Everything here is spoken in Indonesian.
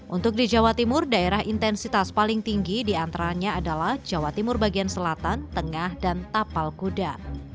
untuk di jawa timur daerah intensitas paling tinggi diantaranya adalah jawa timur bagian selatan tengah dan tapal kuda